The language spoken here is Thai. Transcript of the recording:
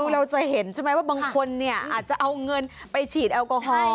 คือเราจะเห็นใช่ไหมว่าบางคนเนี่ยอาจจะเอาเงินไปฉีดแอลกอฮอล